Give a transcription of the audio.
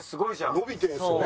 伸びてるんすよね。